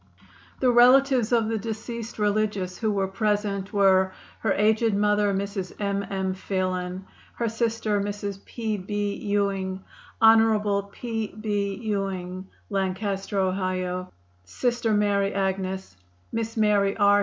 The relatives of the deceased religious who were present were: Her aged mother, Mrs. M. M. Phelan; her sister, Mrs. P. B. Ewing; Hon. P. B. Ewing, Lancaster, Ohio; Sr. Mary Agnes, Miss Mary R.